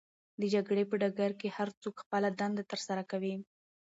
د جګړې په ډګر کې هرڅوک خپله دنده ترسره کوي.